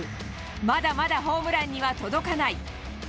まだまだホームランには届かない。